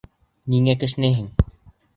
Ниңә кешнәйһең?